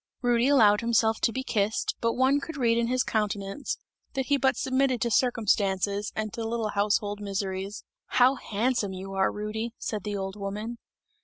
Rudy allowed himself to be kissed, but one could read in his countenance, that he but submitted to circumstances and to little household miseries. "How handsome you are, Rudy!" said the old woman.